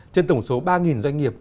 trên tổng số ba doanh nghiệp